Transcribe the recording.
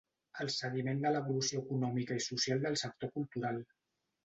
El seguiment de l'evolució econòmica i social del sector cultural.